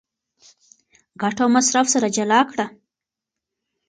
ګټه او مصرف سره جلا کړه.